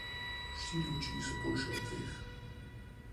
Štiri oči so boljše od dveh.